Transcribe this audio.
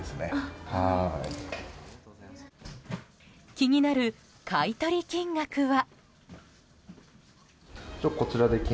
気になる買い取り金額は。